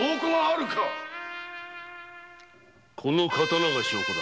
この刀が証拠だ。